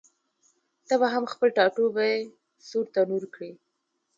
ته به هم خپل ټاټوبی سور تنور کړې؟